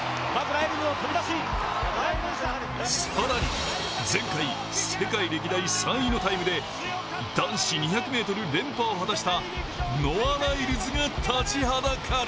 更に、前回、世界歴代３位のタイムで男子２００ｍ連覇を果たしたノア・ライルズが立ちはだかる。